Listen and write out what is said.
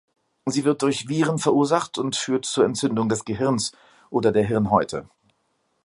Sie wird durch Viren verursacht und führt zur Entzündung des Gehirns oder der Hirnhäute.